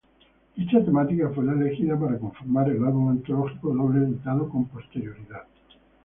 Dicha temática fue la elegida para conformar el álbum antológico doble editado con posterioridad.